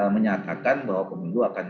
menyatakan bahwa pemilu akan